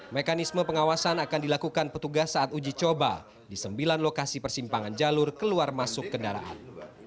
mekanisme pengawasan akan dilakukan petugas saat uji coba di sembilan lokasi persimpangan jalur keluar masuk kendaraan